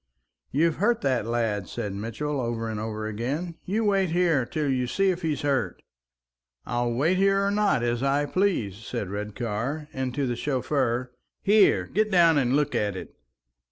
"You've hurt that lad," said Mitchell, over and over again. "You'll wait here till you see if he's hurt." "I'll wait here or not as I please," said Redcar; and to the chauffeur, "Here! get down and look at it!"